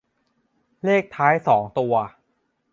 เลขท้ายสองตัว